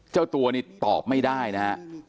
เจ้าตัวนี่ตอบไม่ได้นะฮะ